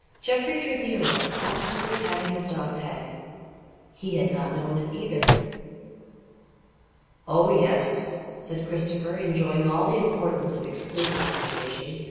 Jeffrey drew nearer, absently patting his dog's head. He had not known it either. "Oh, yes," said Christopher, enjoying all the importance of exclusive information.